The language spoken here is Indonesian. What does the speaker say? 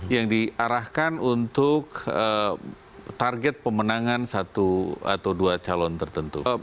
yang diarahkan untuk target pemenangan satu atau dua calon tertentu